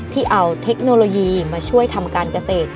ที่เอาเทคโนโลยีมาช่วยทำการเกษตร